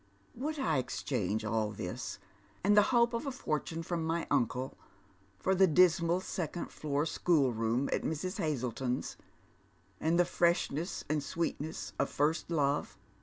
" Would I exchange all tliis, and the hope of a fortune from my uncle, for the dismal second floor schoolroom at Mrs. I lazleton's, and the freshness and sweetness of first love?"